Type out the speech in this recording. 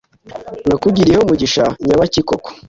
nakugiriyeho mugisha nyabaki koko?"